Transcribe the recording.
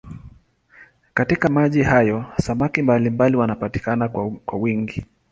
Katika maji hayo samaki mbalimbali wanapatikana kwa wingi.